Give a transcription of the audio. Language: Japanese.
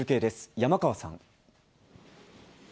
山川さん。